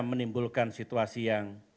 menimbulkan situasi yang